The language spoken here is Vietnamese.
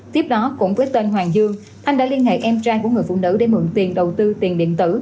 tiếp đó cũng với tên hoàng dương thanh đã liên hệ em trang của người phụ nữ để mượn tiền đầu tư tiền điện tử